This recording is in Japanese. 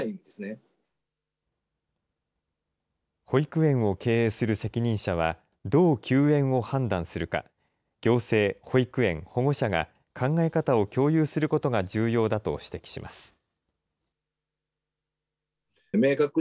保育園を経営する責任者は、どう休園を判断するか、行政、保育園、保護者が考え方を共有することが重要だと指摘します。